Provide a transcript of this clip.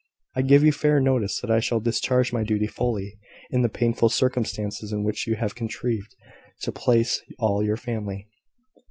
I give you fair notice that I shall discharge my duty fully, in the painful circumstances in which you have contrived to place all your family."